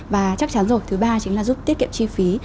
và chắc chắn rồi thứ ba chính là giúp tiết kiệm chi phí